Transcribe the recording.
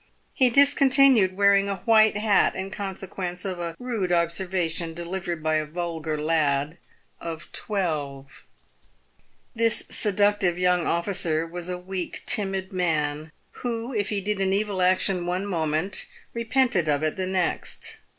He discontinued wearing a white hat in consequence of a rude observation delivered by a vulgar lad of twelve. ^ This seductive young officer was a weak, timid man, who, if he did an evil action one moment, repented of it the next.